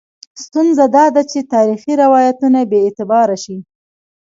ستونزه دا ده چې تاریخي روایتونه بې اعتباره شي.